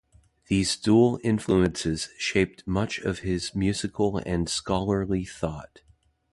These dual influences shaped much of his musical and scholarly thought.